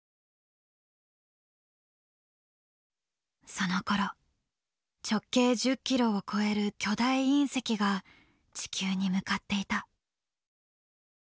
そのころ直径１０ｋｍを超える巨大隕石が地球に向かっていた。